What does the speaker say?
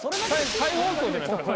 再放送じゃないですか